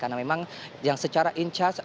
karena memang yang secara in charge